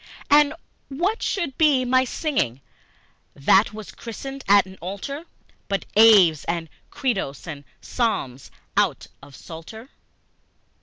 And what should be my singing, that was christened at an altar, But Aves and Credos and Psalms out of Psalter?